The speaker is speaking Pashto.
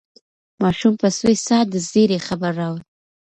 ماشوم په سوې ساه د زېري خبر راوړ.